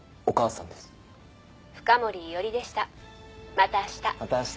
また明日。